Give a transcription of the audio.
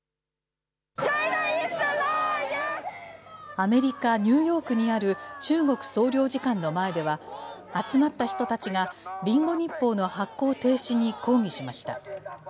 アメリカ・ニューヨークにある中国総領事館の前では、集まった人たちがリンゴ日報の発行停止に抗議しました。